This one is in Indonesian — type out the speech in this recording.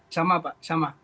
sama pak sama